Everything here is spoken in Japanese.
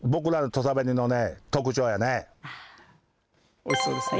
おいしそうですね。